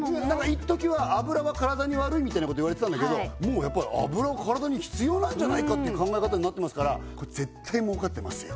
いっときは油は体に悪いみたいなこと言われてたんだけどもうやっぱ油は体に必要なんじゃないかっていう考え方になってますからこれ絶対儲かってますよ